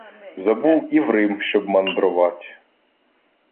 Забув і в Рим щоб мандровать.